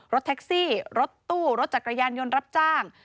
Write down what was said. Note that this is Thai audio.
รถแท็กซี่รถตู้รถจักรยานยนต์รับจ้าง